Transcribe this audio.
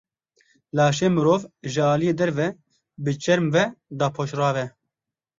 Laşê mirov ji aliyê derve bi çerm ve dapoşrav e.